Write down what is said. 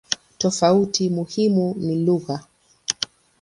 Tofauti muhimu ni lugha.